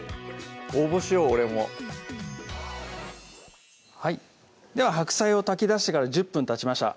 応募しよう俺もでは白菜を炊きだしてから１０分たちました